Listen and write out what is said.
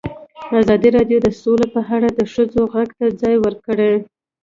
ازادي راډیو د سوله په اړه د ښځو غږ ته ځای ورکړی.